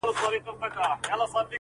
یو څو باڼه زما په جنازه کې واچوه